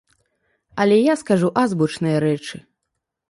Але я скажу азбучныя рэчы.